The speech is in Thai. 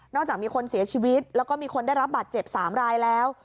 จากมีคนเสียชีวิตแล้วก็มีคนได้รับบัตรเจ็บ๓รายแล้ว